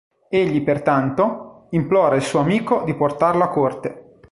Egli pertanto, implora il suo amico di portarlo a Corte.